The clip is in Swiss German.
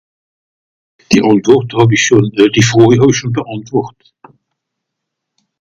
keh àntwòrt hàb isch schòn euh die fròj hàwie schòn geàntwòrt